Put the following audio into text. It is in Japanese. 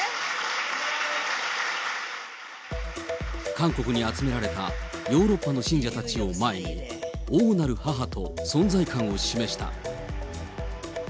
韓国に集められたヨーロッパの信者たちを前に、王なる母と存在感を示した。